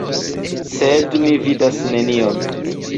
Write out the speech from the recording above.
Sed mi vidas nenion.